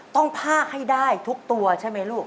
ภาคให้ได้ทุกตัวใช่ไหมลูก